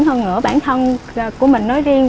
hơn nữa bản thân của mình nói riêng